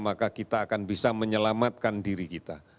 maka kita akan bisa menyelamatkan diri kita